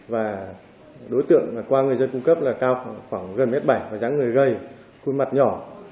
và đối tượng qua người dân cung cấp là cao khoảng gần m bảy và giá người gây khuôn mặt nhỏ